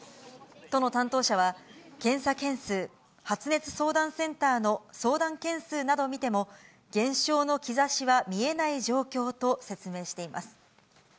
都の担当者は、検査件数、発熱相談センターの相談件数などを見ても、減少の兆しは見えない状況と説明しています。